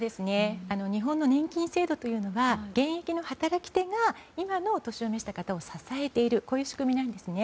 日本の年金制度というのは現役の働き手が今のお年を召した方を支えているという仕組みなんですね。